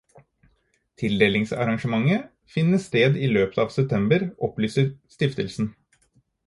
Tildelingsarrangementet finner sted i løpet av september, opplyser stiftelsen.